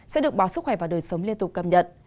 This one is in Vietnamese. sẽ được báo sức khỏe và đời sống liên tục cầm nhận